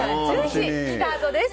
１０時スタートです。